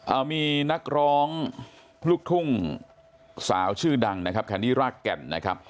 เอามีนักร้องลูกทุ่งสาวชื่อดังนะครับแคนดี้รากแก่นนะครับ